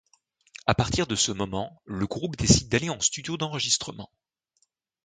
À partir de ce moment, le groupe décide d'aller en studio d'enregistrement.